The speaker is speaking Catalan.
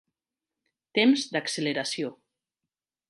Temps d'acceleració.